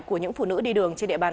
của những phụ nữ đi đường trên địa bàn